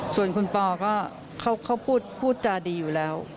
ส่วนคุณปอก็เขาพูดจาดีอยู่แล้ว